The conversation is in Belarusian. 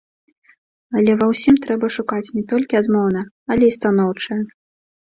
Але ва ўсім трэба шукаць не толькі адмоўнае, але і станоўчае.